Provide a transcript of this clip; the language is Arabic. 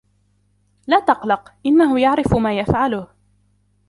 لا تقلق. إنهُ يعرف ما يفعلهُ.